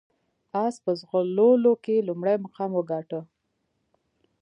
اس په ځغلولو کې لومړی مقام وګاټه.